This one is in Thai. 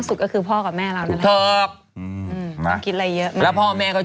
อุ๊ยแม่